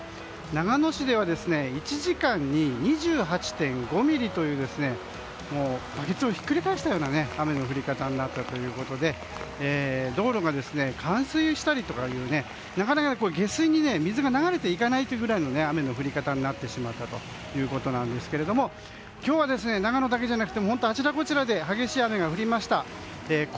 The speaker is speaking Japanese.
長野市では１時間に２８．５ミリというバケツをひっくり返したような雨の降り方になったということで道路が冠水したりとかという下水に、なかなか水が流れていかないぐらいの雨の降り方になってしまったということなんですけども今日は長野だけじゃなくて本当あちらこちらで激しい雨が降りました。